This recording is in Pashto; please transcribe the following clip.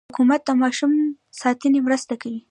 حکومت د ماشوم ساتنې مرسته کوي.